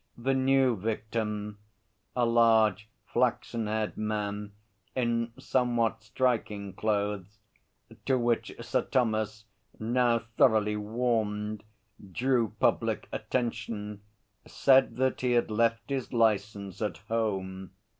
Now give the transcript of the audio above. The new victim, a large, flaxen haired man in somewhat striking clothes, to which Sir Thomas, now thoroughly warmed, drew public attention, said that he had left his licence at home.